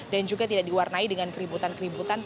dan juga tidak diwarnai dengan keributan keributan